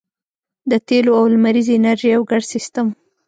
د تیلو او لمریزې انرژۍ یو ګډ سیستم